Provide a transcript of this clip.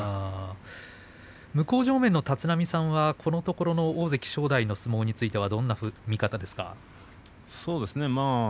向正面の立浪さんはここのところの大関正代の相撲についてはどんな見方ですか。